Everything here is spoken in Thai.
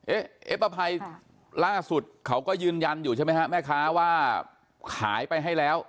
เอ๊ะเอ๊ป้าภัยล่าสุดเขาก็ยืนยันอยู่ใช่ไหมฮะแม่ค้าว่าขายไปให้แล้ว